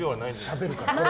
しゃべるから。